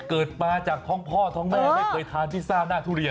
เกิดมาจากท้องพ่อท้องแม่ไม่เคยทานพิซซ่าหน้าทุเรียน